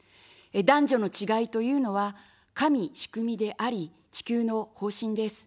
男女の違いというのは神仕組みであり、地球の方針です。